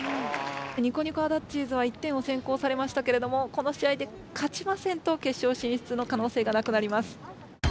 ニコニコあだっちーずは１点を先行されましたけれどもこの試合で勝ちませんと決勝進出のかのうせいがなくなります。